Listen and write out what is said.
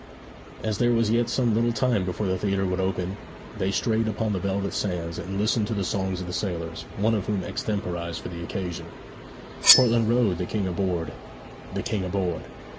As there was yet some little time before the theatre would open, they strayed upon the velvet sands, and listened to the songs of the sailors, one of whom extemporized for the occasion: 'Portland Road the King aboard, the King aboard!